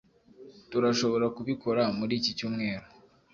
turashobora kubikora muri iki cyumweru